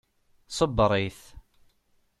Ṣebbeṛ-it.